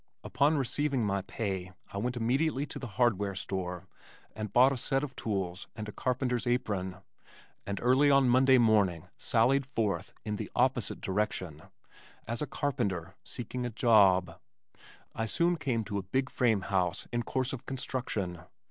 Upon receiving my pay I went immediately to the hardware store and bought a set of tools and a carpenter's apron, and early on Monday morning sallied forth in the opposite direction as a carpenter seeking a job. I soon came to a big frame house in course of construction.